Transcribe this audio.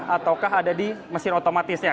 ataukah ada di mesin otomatisnya